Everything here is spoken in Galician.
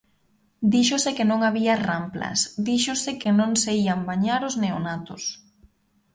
Díxose que non había ramplas, díxose que non se ían bañar os neonatos.